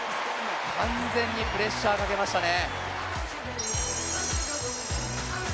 完全にプレッシャーかけましたね。